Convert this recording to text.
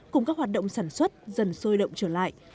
cùng các hoạt động sản xuất dần sôi động trở lại